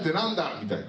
みたいな。